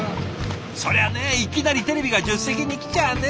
そりゃねいきなりテレビが助手席に来ちゃあね。